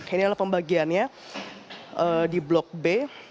ini adalah pembagiannya di blok b